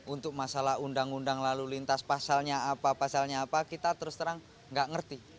untuk masalah undang undang lalu lintas pasalnya apa pasalnya apa kita terus terang nggak ngerti